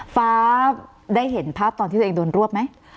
ฟ้าได้เห็นภาพตอนที่ตัวเองโดนรวบไหม